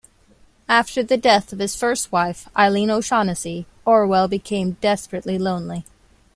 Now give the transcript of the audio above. After the death of his first wife Eileen O'Shaughnessy, Orwell became desperately lonely.